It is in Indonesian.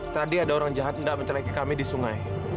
tadi ada orang jahat yang menjelek kami di sungai